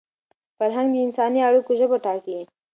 فرهنګ د انساني اړیکو ژبه ټاکي.